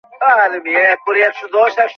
কথিত আছে যে, হাসান রাজার মেয়ের নাম ছিল ফাঁসিয়া।